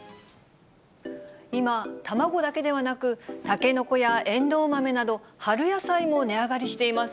今、卵だけではなく、タケノコやエンドウ豆など、春野菜も値上がりしています。